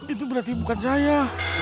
itu berarti bukan saya